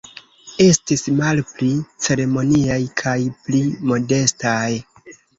Estis malpli ceremoniaj kaj pli modestaj.